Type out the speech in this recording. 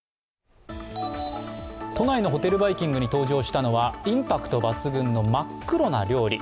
都内のホテルバイキングに登場したのはインパクト抜群の真っ黒な料理。